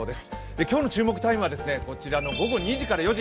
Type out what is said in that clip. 今日の注目タイムはこちらの午後２時から４時。